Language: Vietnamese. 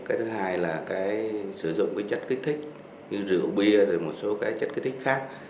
cái thứ hai là sử dụng chất kích thích như rượu bia một số chất kích thích khác